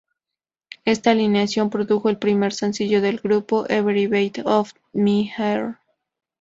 Esta alineación produjo el primer sencillo del grupo, "Every Beat of My Heart".